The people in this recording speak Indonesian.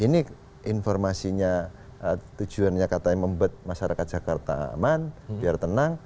seperti yang saya bilang tadi ini informasinya tujuannya katanya membuat masyarakat jakarta aman biar tenang